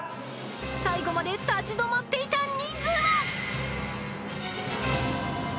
［最後まで立ち止まっていた人数は！？］